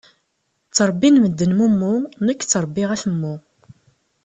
Ttrebbin medden mummu, nekk ttrebbiɣ atemmu.